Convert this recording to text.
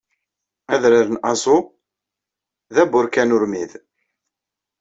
Adrar n Aso d aburkan urmid.